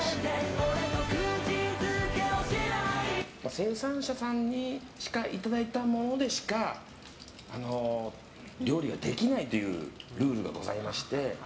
生産者さんにいただいたものでしか料理ができないというルールがございまして。